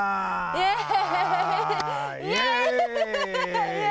イエイ！